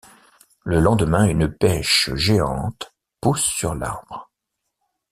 Le lendemain, une pêche géante pousse sur l'arbre.